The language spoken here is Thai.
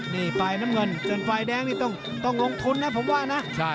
นี่ฟ้ายน้ำเงินจนฟ้ายแดงต้องลงทุนนะผมว่านะ